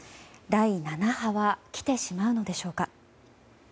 第７波は来てしまうのでしょうか。